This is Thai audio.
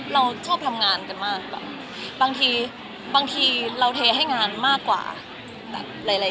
เราชอบทำงานกันมากบางทีเราเทให้งานมากกว่าแบบหลายอย่าง